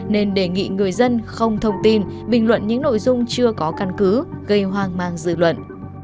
nên đề nghị người dân không thông tin bình luận những nội dung chưa có căn cứ gây hoang mang dư luận